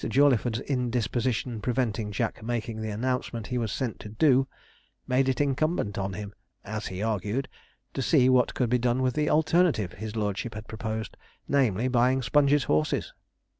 Jawleyford's indisposition preventing Jack making the announcement he was sent to do, made it incumbent on him, as he argued, to see what could be done with the alternative his lordship had proposed namely, buying Sponge's horses.